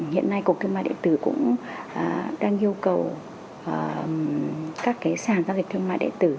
hiện nay cục thương mại đệ tử cũng đang yêu cầu các cái sản giao dịch thương mại đệ tử